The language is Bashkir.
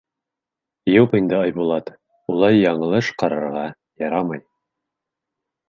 — Юҡ инде, Айбулат, улай яңылыш ҡарарға ярамай.